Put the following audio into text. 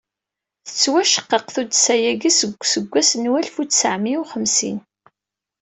Tettwaceqqeq tuddsa-agi deg useggas n alef u tesεemya u xemsin.